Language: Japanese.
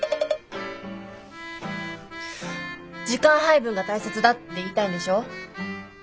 時間配分が大切だって言いたいんでしょ？